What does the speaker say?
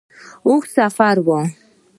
اوږد سفر وو.